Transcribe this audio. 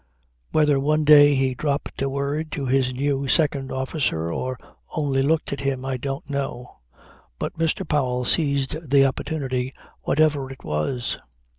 Whether one day he dropped a word to his new second officer or only looked at him I don't know; but Mr. Powell seized the opportunity whatever it was.